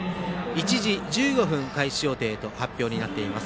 １時１５分開始予定と発表になっています。